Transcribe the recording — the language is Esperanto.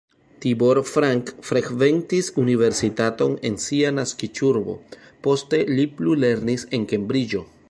Tibor Frank frekventis universitaton en sia naskiĝurbo, poste li plulernis en Kembriĝo.